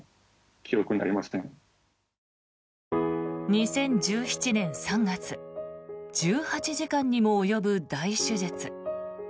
２０１７年３月１８時間にも及ぶ大手術。